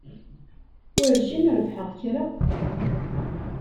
Werjin rebḥeɣ kra.